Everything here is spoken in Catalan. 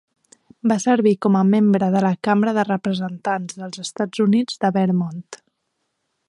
Va servir com a membre de la Cambra de Representants dels Estats Units de Vermont.